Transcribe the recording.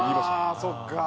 ああそっか。